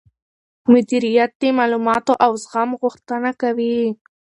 مديريت د معلوماتو او زغم غوښتنه کوي.